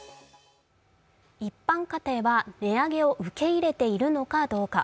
一般家庭は値上げを受け入れているのかどうか。